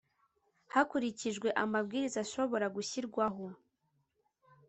Hakurikijwe amabwiriza ashobora gushyirwaho